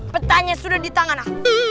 petanya sudah di tangan aku